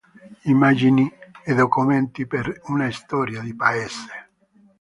Immagini e documenti per una storia di paese".